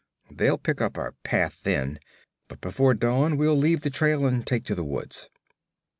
They'll pick up our path then, but before dawn we'll leave the trail and take to the woods.'